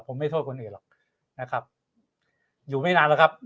ผมไม่โทษคนอื่นหรอกนะครับอยู่ไม่นานแล้วครับ